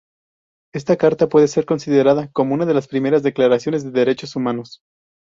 Esta carta puede ser considerada como una de las primeras declaraciones de derechos humanos.